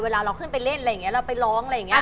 เวลาเราขึ้นไปเล่นอะไรอย่างนี้เราไปร้องอะไรอย่างนี้